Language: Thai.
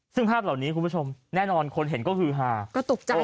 ซึ่งภาพเหล่านี้คุณผู้ชมแน่นอนคนเห็นก็คือหาก็ตกใจ